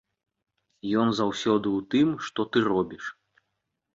Ён заўсёды ў тым, што ты робіш!